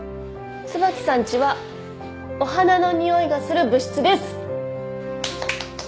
椿さんちはお花の匂いがする部室です。